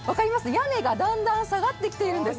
屋根がだんだん下がってきているんです。